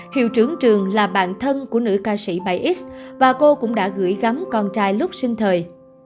hiệu trưởng trường là bạn thân của nữ ca sĩ bảy x và cô cũng đã gửi gắm con trai lúc sinh thời